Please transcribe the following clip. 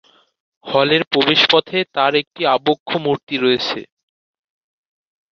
হলের প্রবেশ পথে তার একটি আবক্ষ মূর্তি রয়েছে।